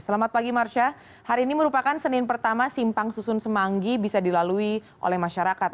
selamat pagi marsha hari ini merupakan senin pertama simpang susun semanggi bisa dilalui oleh masyarakat